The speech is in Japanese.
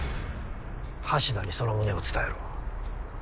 橋田にその旨を伝えろ。